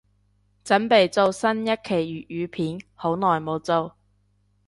凖備做新一期粤語片，好耐無做